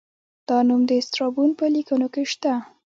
دا نوم د سترابون په لیکنو کې شته